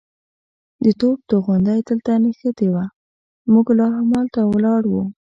د توپ توغندی دلته نښتې وه، موږ لا همالته ولاړ وو.